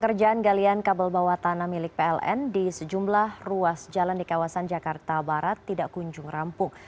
kerjaan galian kabel bawah tanah milik pln di sejumlah ruas jalan di kawasan jakarta barat tidak kunjung rampung